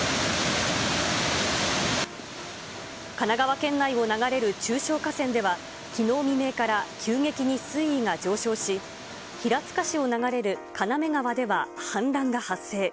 神奈川県内を流れる中小河川では、きのう未明から急激に水位が上昇し、平塚市を流れる金目川では氾濫が発生。